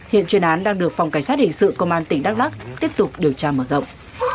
hiện chuyên án đang được phòng cảnh sát hình sự công an tỉnh đắk lắc tiếp tục điều tra mở rộng